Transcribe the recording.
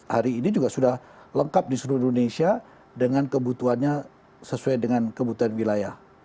hari ini juga sudah lengkap di seluruh indonesia dengan kebutuhannya sesuai dengan kebutuhan wilayah